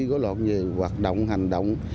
gối loạn về hoạt động hành động